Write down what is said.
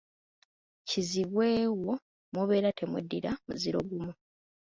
Kizibwe wo mubeera temweddira muziro gumu.